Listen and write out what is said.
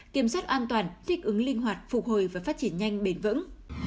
kiểm soát an toàn thích ứng linh hoạt phục hồi và phát triển nhanh bền vững